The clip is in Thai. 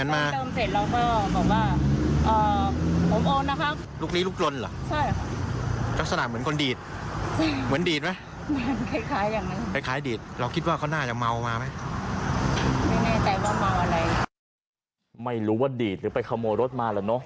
ไม่รู้ว่าดีดหรือไปขโมยรถมาเหรอเนอะ